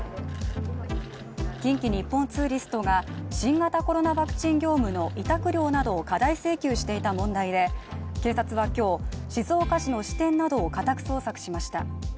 近畿日本ツーリストが新型コロナワクチン業務の委託料などを過大請求していた問題で警察は今日、静岡市の支店などを家宅捜索しました。